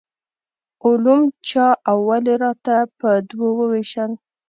علوم چا او ولې راته په دوو وویشل.